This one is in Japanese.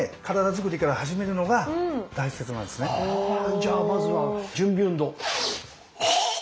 じゃあまずは準備運動！